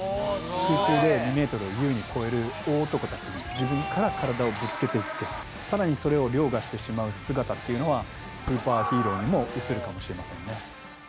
空中で２ｍを優に超える大男たちに自分から体をぶつけていってさらに、それをりょうがしてしまう姿っていうのはスーパーヒーローにも映るかもしれませんね。